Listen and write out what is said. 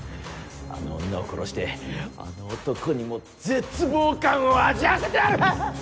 あの女を殺してあの男にも絶望感を味わわせてやる！